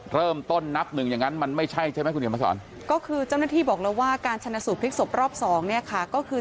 เริ่มต้นนับหนึ่งอย่างนั้นมันไม่ใช่ใช่ไหมคุณเขียนมาสอนก็คือเจ้าหน้าที่บอกแล้วว่าการชนะสูตรพลิกศพรอบสองเนี่ยค่ะก็คือ